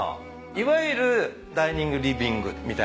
いわゆるダイニングリビングみたいな。